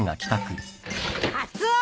カツオ！